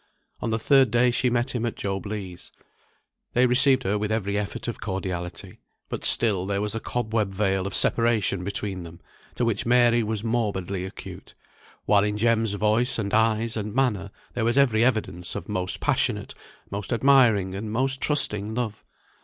On the third day she met him at Job Legh's. They received her with every effort of cordiality; but still there was a cobweb veil of separation between them, to which Mary was morbidly acute; while in Jem's voice, and eyes, and manner, there was every evidence of most passionate, most admiring, and most trusting love.